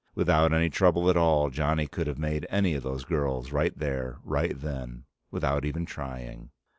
Without any trouble at all, Johnny could have made any of those girls, right there, right then, without even trying.